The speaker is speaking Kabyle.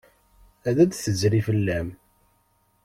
Ad d-tezri fell-am.